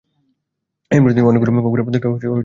এই প্রজাতির অনেক কুকুরের প্রত্যেকটা চোখের রঙ আলাদা।